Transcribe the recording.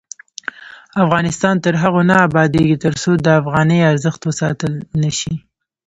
افغانستان تر هغو نه ابادیږي، ترڅو د افغانۍ ارزښت وساتل نشي.